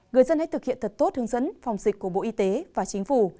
người dân hãy thực hiện thật tốt hướng dẫn phòng dịch của bộ y tế và chính phủ